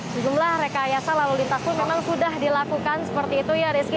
sejumlah rekayasa lalu lintas pun memang sudah dilakukan seperti itu ya rizky